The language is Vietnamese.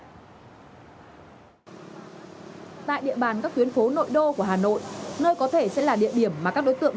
tại địa bàn các tuyến phố nội đô của hà nội nơi có thể sẽ là địa điểm mà các đối tượng